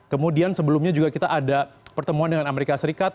kemudian sebelumnya juga kita ada pertemuan dengan amerika serikat